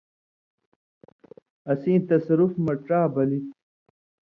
اسیں تصرُف مہ ڇا بلی تھی۔